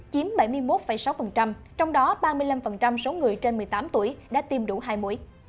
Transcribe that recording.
chiếm bảy mươi một sáu trong đó ba mươi năm số người trên một mươi tám tuổi đã tiêm đủ hai mũi